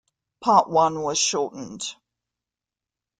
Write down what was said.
Part One was shortened.